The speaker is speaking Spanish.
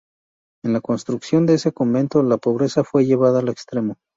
En la construcción de este convento la pobreza fue lleva al extremo.